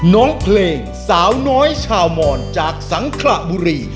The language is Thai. น้องเพลงสาวน้อยชาวมอนจากสังขระบุรี